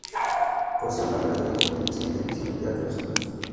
Posee una larga trayectoria en el cine, televisión y teatro de su país.